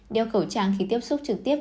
đeo khẩu trang khi tiếp xúc trực tiếp